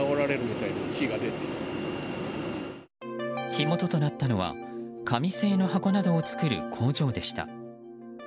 火元となったのは紙製の箱などを作る工場でした。